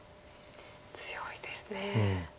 強いですね。